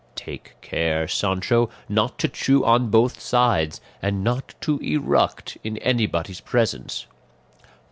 "Take care, Sancho, not to chew on both sides, and not to eruct in anybody's presence."